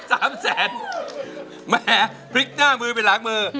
ก็ได้๓แสนแหมพลิกหน้ามือไปล้างมือ